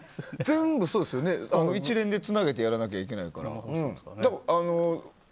全部、一連でつなげてやらないといけないから。